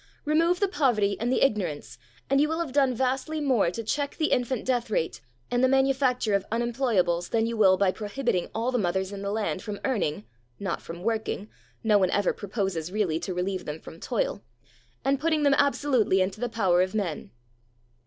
Remove the poverty and the ignorance and you will have done vastly more to check the infant death rate and the manufacture of unemployables than you will by prohibiting all the mothers in the land from earning (not from working! No one ever proposes really to relieve them from toil!) and putting them absolutely into the power of men.